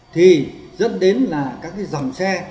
thì dẫn đến là các dòng xe